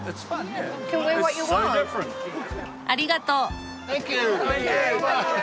ありがとう。